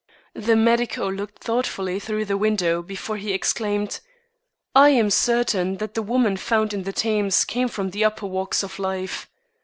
The medico looked thoughtfully through the window before he exclaimed: "I am certain that the woman found in the Thames came from the upper walks of life.